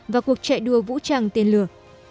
và cuộc chạy đua vũ trang tên lửa